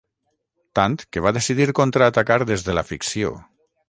Tant, que va decidir contraatacar des de la ficció.